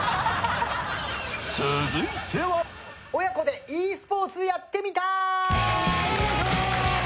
親子でｅスポーツやってみた！